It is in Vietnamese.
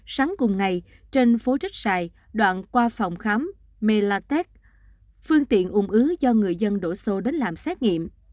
sáng cùng ngày trên phố trích sài đoạn qua phòng khám melatec phương tiện ung ứ do người dân đổ xô đến làm xét nghiệm